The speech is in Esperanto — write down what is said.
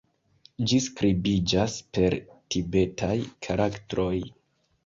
Ĝi skribiĝas per tibetaj karaktroj.